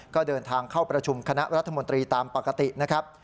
ก็เดินทางเข้าประชุมคณะรัฐมนตรีตามปกตินะครับ